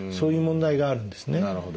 なるほど。